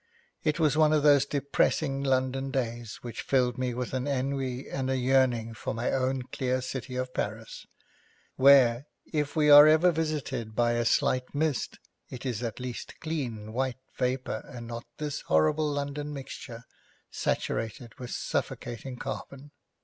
It was one of those depressing London days which filled me with ennui and a yearning for my own clear city of Paris, where, if we are ever visited by a slight mist, it is at least clean, white vapour, and not this horrible London mixture saturated with suffocating carbon.